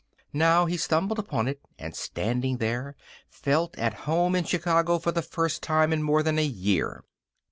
Now he stumbled upon it and, standing there, felt at home in Chicago for the first time in more than a year.